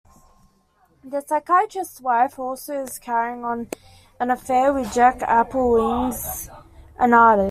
The psychiatrist's wife also is carrying on an affair with Jac Applezweig, an artist.